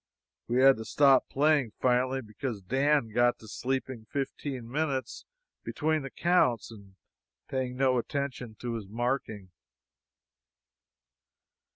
We had to stop playing finally because Dan got to sleeping fifteen minutes between the counts and paying no attention to his marking.